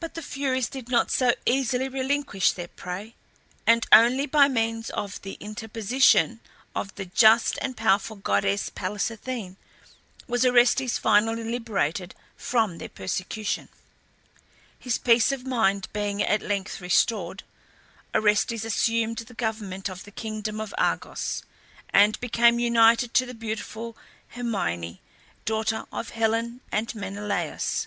But the Furies did not so easily relinquish their prey, and only by means of the interposition of the just and powerful goddess Pallas Athene was Orestes finally liberated from their persecution. His peace of mind being at length restored, Orestes assumed the government of the kingdom of Argos, and became united to the beautiful Hermione, daughter of Helen and Menelaus.